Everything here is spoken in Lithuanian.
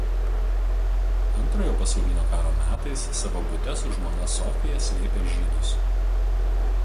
Antrojo pasaulinio karo metais savo bute su žmona Sofija slėpė žydus.